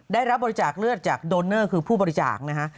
ได้รับบริจาคเลือดจากโดนเนอร์คือผู้บริจาคนะฮะ